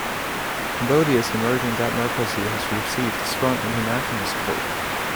Cambodia's emerging democracy has received strong international support.